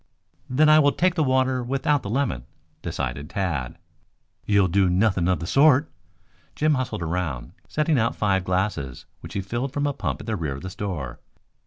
"Then I will take the water without the lemon," decided Tad. "You'll do nothing of the sort." Jim hustled around, setting out five glasses which he filled from a pump at the rear of the store.